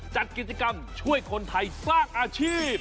จัดกิจกรรมช่วยคนไทยสร้างอาชีพ